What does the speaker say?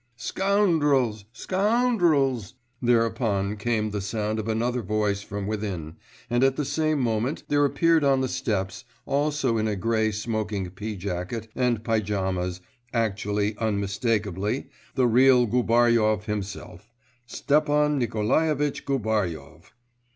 'Scou oundrels, scou oundrels!' thereupon came the sound of another voice from within, and at the same moment there appeared on the steps also in a grey smoking pea jacket and pyjamas actually, unmistakably, the real Gubaryov himself, Stepan Nikolaevitch Gubaryov.